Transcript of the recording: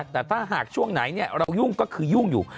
แต่ถ้าหากช่วงไหนเรายุ่งก็คือยุ่งอยู่